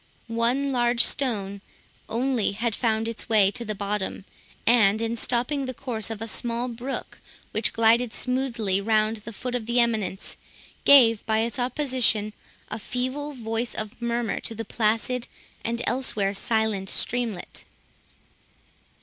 One large stone only had found its way to the bottom, and in stopping the course of a small brook, which glided smoothly round the foot of the eminence, gave, by its opposition, a feeble voice of murmur to the placid and elsewhere silent streamlet.